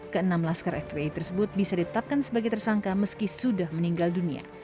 keenam laskar fpi tersebut bisa ditetapkan sebagai tersangka meski sudah meninggal dunia